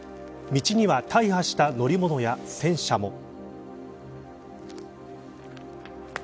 道には大破した乗り物や戦車も。